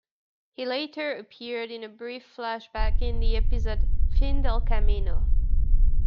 He later appeared in a brief flashback in the episode Fin Del Camino.